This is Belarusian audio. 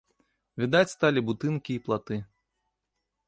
Відаць сталі будынкі і платы.